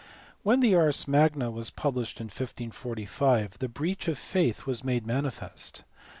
When the Ars Magna was published in 1545 the breach of faith was made manifest.